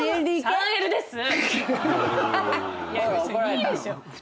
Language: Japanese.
別にいいでしょ。